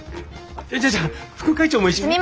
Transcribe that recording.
じゃあじゃあ副会長も一緒に。